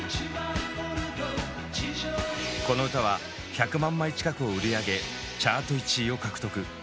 この歌は１００万枚近くを売り上げチャート１位を獲得。